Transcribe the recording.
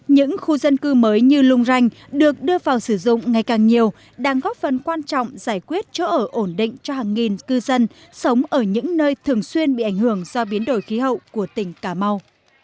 những khu dân cư mới như lung ranh được đưa vào sử dụng ngày càng nhiều đang góp phần quan trọng giải quyết chỗ ở ổn định cho hàng nghìn cư dân sống ở những nơi thường xuyên bị ảnh hưởng do biến đổi khí hậu của tỉnh cà mau